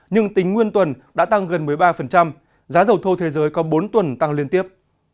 nhưng tính nguyên tuần đã tăng gần một mươi ba giá dầu thô thế giới có bốn tuần tăng liên tiếp